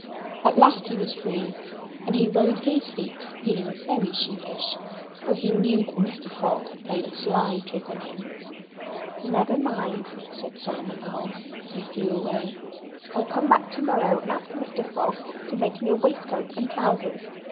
At last he was free. And he rose to his feet feeling very sheepish, for he knew that Mr. Frog had played a sly trick on him. "Nevermind!" said Solomon Owl, as he flew way. "I'll come back to morrow and ask Mr. Frog to make me a waistcoat and trousers.